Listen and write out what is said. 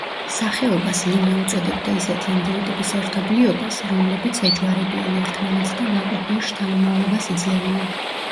სახეობას ლინე უწოდებდა ისეთი ინდივიდების ერთობლიობას, რომლებიც ეჯვარებიან ერთმანეთს და ნაყოფიერ შთამომავლობას იძლევიან.